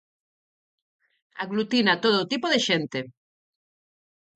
Aglutina todo tipo de xente.